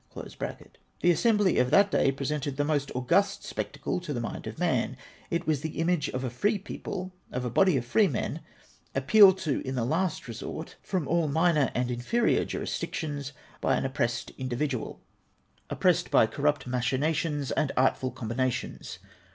The assembly of that day presented the most august spectacle to the mind of man — it was the image of a free people — of a body of free men, appealed to in the last resort, from all minor and inferior jurisdictions, by an oppressed individual — oppressed by cor 446 APPENDIX XI. nipt machinations and artful combinations.